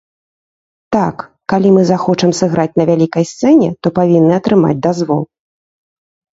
Так, калі мы захочам сыграць на вялікай сцэне, то павінны атрымаць дазвол.